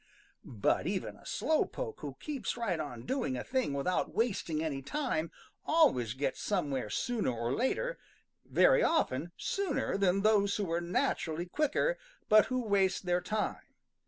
But even a slow poke who keeps right on doing a thing without wasting any time always gets somewhere sooner or later, very often sooner than those who are naturally quicker, but who waste their time.